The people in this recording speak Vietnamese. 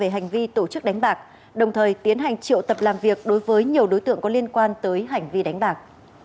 hành triệu tập làm việc đối với nhiều đối tượng có liên quan tới hành vi đánh bạc